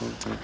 eh dona rifah